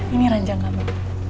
ini ranjang kamu